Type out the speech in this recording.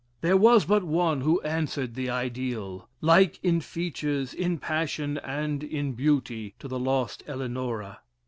There was but one who answered the ideal like in features, in passion, and in beauty to the lost Eleanora.